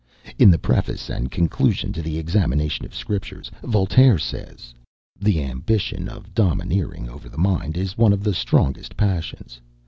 In the Preface and Conclusion to the "Examination of the Scriptures," Voltaire says: "The ambition of domineering over the mind, is one of the strongest passions.